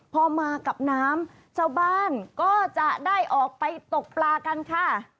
พอมากับน้ำชาวบ้านก็จะได้ออกไปตกปลากันค่ะ